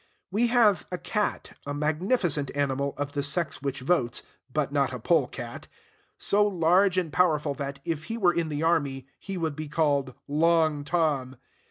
We have a cat, a magnificent animal, of the sex which votes (but not a pole cat), so large and powerful that, if he were in the army, he would be called Long Tom.